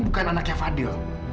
bukan anaknya fadil